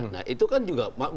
nah itu kan juga